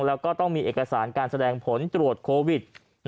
แล้วก็ต้องมีเอกสารการแสดงผลตรวจโควิด